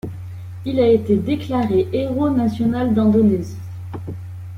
Il a été déclaré Héros national d'Indonésie.